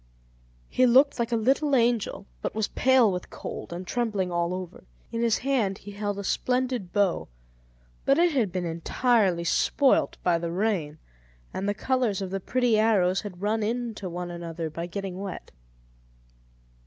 He looked like a little angel, but was pale with cold, and trembling all over. In his hand he held a splendid bow, but it had been entirely spoilt by the rain, and the colours of the pretty arrows had run into one another by getting wet.